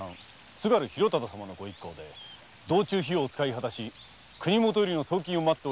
津軽広忠様のご一行で道中費用を遣いはたし国元よりの送金を待っておられるご様子。